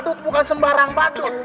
badut bukan sembarang badut